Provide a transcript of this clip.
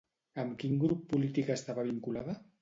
Amb quin grup polític estava vinculada?